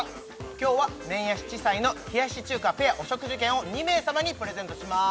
今日は麺や七彩の冷やし中華ペアお食事券を２名様にプレゼントします